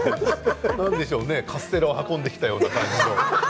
なんでしょうねカステラを運んできたような感じで。